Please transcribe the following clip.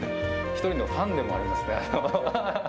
一人のファンでもありますね。